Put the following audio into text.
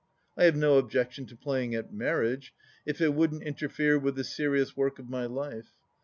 I have no objection to playing at marriage, if it wouldn't interfere with the serious work of my life.